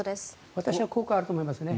私は効果あると思いますね。